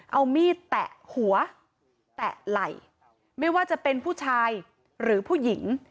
เอามีดแตะหัวแตะไหล่ไม่ว่าจะเป็นผู้ชายหรือผู้หญิง